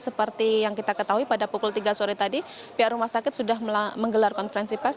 seperti yang kita ketahui pada pukul tiga sore tadi pihak rumah sakit sudah menggelar konferensi pers